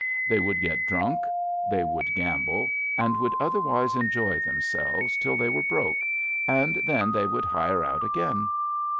They would get drunk; they would gam ble, and would otherwise enjoy themselves till they were broke; and then they would hire out' again.